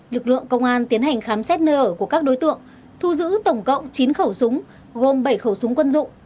lực lượng công an tiến hành khám xét nơi ở của các đối tượng thu giữ tổng cộng chín khẩu súng gồm bảy khẩu súng quân dụng